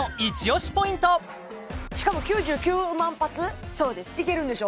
しかも９９万発いけるんでしょ？